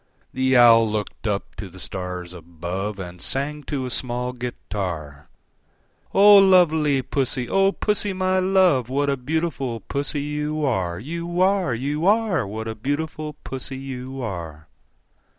The Owl looked up to the stars above, And sang to a small guitar, "O lovely Pussy, O Pussy, my love, What a beautiful Pussy you are, You are, You are! What a beautiful Pussy you are!"